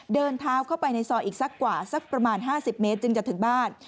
เดินเท้าเข้าไปในซอยอีกสักกว่าสักประมาณ๕๐เมตรจึงจะถึงบ้าน